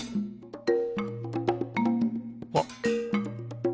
あっ。